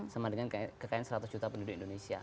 sama dengan kekayaan seratus juta penduduk indonesia